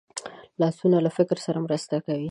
لاسونه له فکر سره مرسته کوي